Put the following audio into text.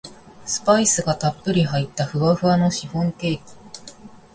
スパイスがたっぷり入ったふわふわのシフォンケーキ